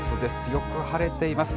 よく晴れています。